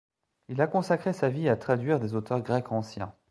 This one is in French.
Il a consacré sa vie à traduire des auteurs grecs anciens.